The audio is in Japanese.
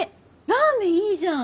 ラーメンいいじゃん！